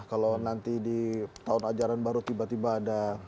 kalau nanti di tahun ajaran baru tiba tiba ada